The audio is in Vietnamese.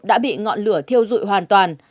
đã bị ngọn lửa thiêu dụi hoàn toàn